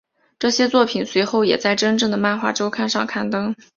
这些作品随后也在真正的漫画周刊上刊登。